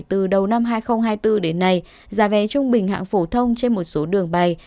từ đầu năm hai nghìn hai mươi bốn đến nay giá vé trung bình hạng phổ thông trên một số đường bay